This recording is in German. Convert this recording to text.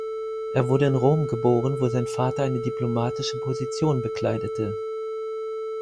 Er wurde in Rom geboren, wo sein Vater eine diplomatische Position bekleidete.